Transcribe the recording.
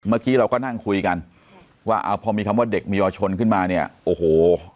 เมื่อกี้เราก็นั่งคุยกันว่าอ่าพอมีคำว่าเด็กมีเยาวชนขึ้นมาเนี่ยโอ้โห